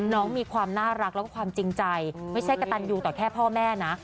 มีความน่ารักแล้วก็ความจริงใจไม่ใช่กระตันยูต่อแค่พ่อแม่นะ